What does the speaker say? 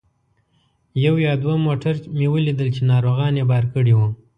یو یا دوه موټر مې ولیدل چې ناروغان یې بار کړي وو.